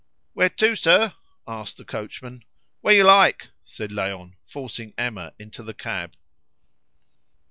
"Where to, sir?" asked the coachman. "Where you like," said Léon, forcing Emma into the cab.